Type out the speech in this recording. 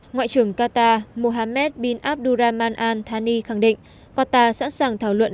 ngoại trưởng qatar mohammed bin abdurrahman al thani khẳng định qatar sẵn sàng thảo luận